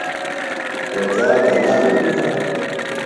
اوچال کنا بھےۡ بِیانہ؟